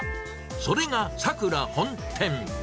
それがさくら本店。